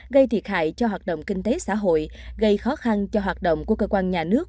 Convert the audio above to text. gây thiệt hại cho hoạt động kinh tế xã hội gây khó khăn cho hoạt động của cơ quan nhà nước